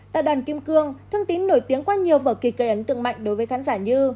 tại đoàn kim cương thương tín nổi tiếng qua nhiều vở kỳ cây ấn tượng mạnh đối với khán giả như